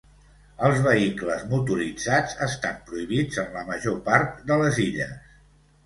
Els vehicles motoritzats estan prohibits en la major part de les illes.